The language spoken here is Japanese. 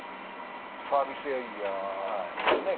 サービスエリアのね